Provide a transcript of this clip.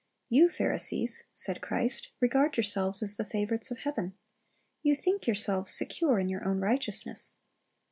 You, Pharisees, said Christ, regard yourselves as the favorites of heaven. You think yourselves secure in your own righteousness.